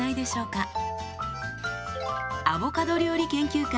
アボカド料理研究家